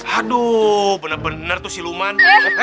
aduh benar benar tuh si lukman